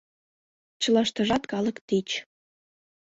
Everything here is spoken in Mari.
Чылаштыжат калык тич.